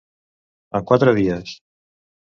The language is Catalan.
En quatre dies.